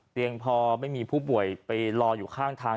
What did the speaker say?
เตียงพอไม่มีผู้ป่วยไปรออยู่ข้างทาง